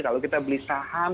kalau kita beli saham